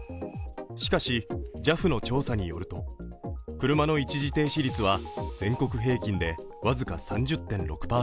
しかし、ＪＡＦの調査によると車の一時停止率は全国平均で僅か３０．６％。